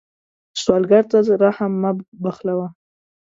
سوالګر ته رحم مه بخلوه